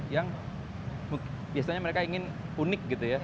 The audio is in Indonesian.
yang biasanya mereka ingin unik gitu ya